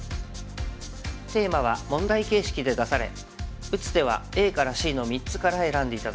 テーマは問題形式で出され打つ手はＡからＣの３つから選んで頂きます。